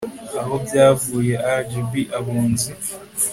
aho byavuye rgb abunzi